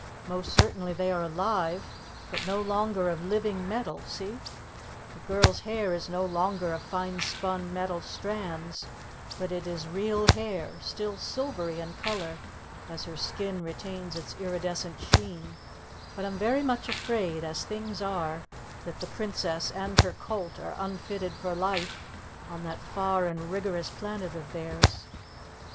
Most certainly they are alive, but no longer of living metal, see? The girl's hair is no longer of fine spun metal strands, but it is real hair, still silvery in color as her skin retains its iridescent sheen, but I'm very much afraid, as things are, that the Princess and her colt are unfitted for life on that far and rigorous planet of theirs.